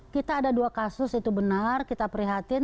kita ada dua kasus itu benar kita prihatin